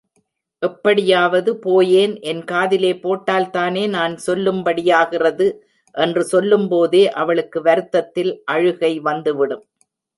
எப்படியாவது போயேன் என் காதிலே போட்டால் தானே நான் சொல்லும்படியாகிறது. என்று சொல்லும்போதே அவளுக்கு வருத்தத்தில் அழுகை வந்துவிடும்.